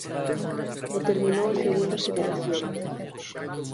E terminou a Segunda Federación.